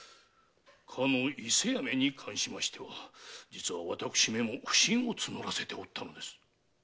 かの伊勢屋めに関しましては実は私めも不審を募らせておったのです。